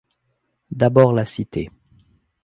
D’abord la Cité.